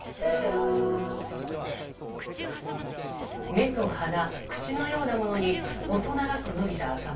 目と鼻、口のようなものに細長く伸びた頭。